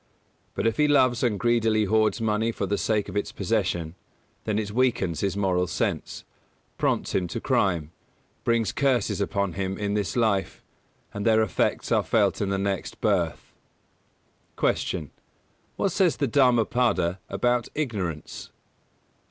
But if he loves and greedily hoards money for the sake of its possession, then it weakens his moral sense, prompts him to crime, brings curses upon him in this life, and their effects are felt in the next birth. 216. Q. _What says the "Dhammapada" about ignorance?